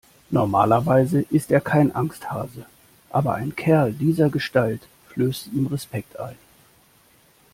Normalerweise ist er kein Angsthase, aber ein Kerl dieser Gestalt flößte ihm Respekt ein.